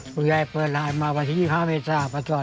ลุงใหญ่เปิดไลน์มาวัน๒๕เมตรประสอบ๑๙